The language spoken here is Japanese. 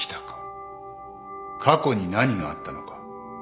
過去に何があったのか。